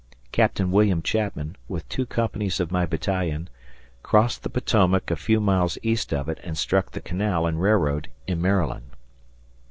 Captain William Chapman, with two companies of my battalion, crossed the Potomac a few miles east of it and struck the canal and railroad in Maryland.